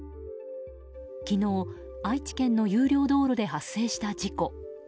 昨日、愛知県の有料道路で発生した事故。